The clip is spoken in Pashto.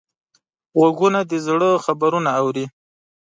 غوږونه د زړه خبرونه اوري